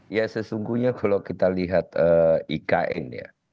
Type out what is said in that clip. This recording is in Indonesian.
ya sesungguhnya kalau kita lihat ikn ya